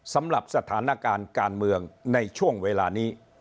สำหรับสถานการณ์การเมืองในช่วงเวลานี้